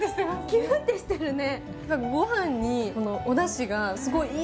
ギュッてしてるね